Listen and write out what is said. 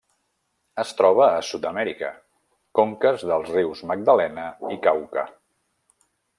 Es troba a Sud-amèrica: conques dels rius Magdalena i Cauca.